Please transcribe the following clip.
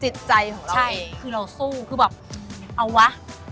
จิตใจของเราใช่คือเราสู้คือแบบเอาวะ